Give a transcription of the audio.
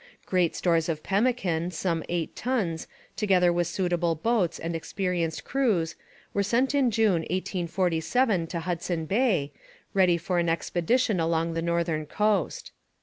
Great stores of pemmican, some eight tons, together with suitable boats and experienced crews, were sent in June 1847 to Hudson Bay, ready for an expedition along the northern coast.